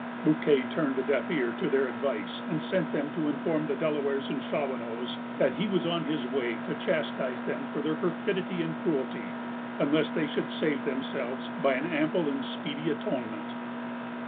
Bouquet turned a deaf ear to their advice, and sent them to inform the Delawares and Shawanoes that he was on his way to chastise them for their perfidy and cruelty, unless they should save themselves by an ample and speedy atonement.